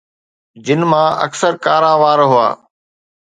جن مان اڪثر ڪارا وار هئا